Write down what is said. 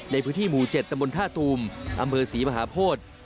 ในพื้นที่หมู่๗ตำบลท่าตูมอำเภอศรีมหาโพธิ